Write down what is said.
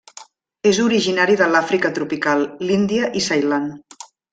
És originari de l'Àfrica tropical, l'Índia i Ceilan.